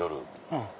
うん。